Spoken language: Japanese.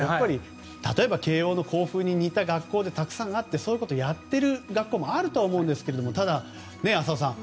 例えば慶応の校風に似た学校でたくさんあって、そういうことをやっていたりもすると思いますがただ、浅尾さん